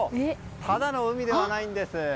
ただの海ではないんです。